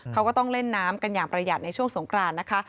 เขาก็ต้องเล่นน้ำกันอย่างประหยัดในช่วงสงครานนะคะ